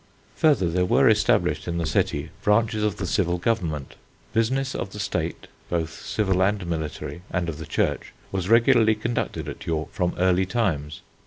Further, there were established in the city branches of the civil government. Business of the state, both civil and military, and of the Church was regularly conducted at York from early times.